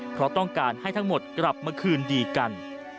เพราะต้องการให้ทั้งหมดกลับมาคืนดีกัน